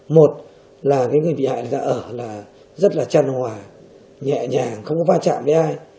một là cái người bị hại ở là rất là tràn hòa nhẹ nhàng không có pha chạm với ai